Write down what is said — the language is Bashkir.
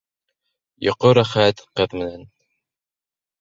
Йоҡо рәхәт ҡыҙ менән.